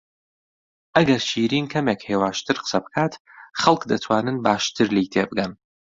ئەگەر شیرین کەمێک هێواشتر قسە بکات، خەڵک دەتوانن باشتر لێی تێبگەن.